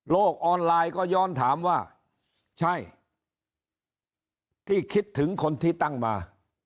ออนไลน์ก็ย้อนถามว่าใช่ที่คิดถึงคนที่ตั้งมา